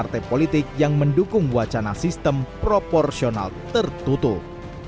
keputusan kpu yang ditutup